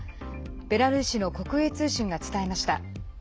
ベラルーシの国営通信が伝えました。